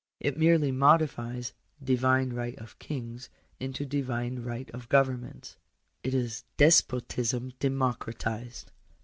It merely modifies "divine right of kings" into divine right of governments. It is despotism democratized.